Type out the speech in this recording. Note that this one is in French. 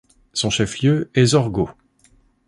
Son chef-lieu est Zorgho.